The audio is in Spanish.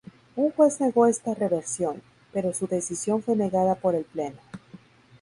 Un juez negó esta reversión, pero su decisión fue negada por el Pleno.